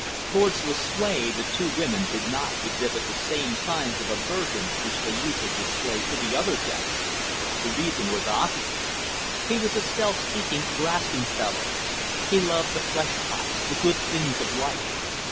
Towards Lucue the two women did not exhibit the same signs of aversion which they usually displayed to the other guests. The reason was obvious. He was a self seeking, grasping fellow. He loved the flesh pots, the good things of life.